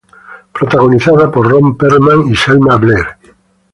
Protagonizada por Ron Perlman y Selma Blair.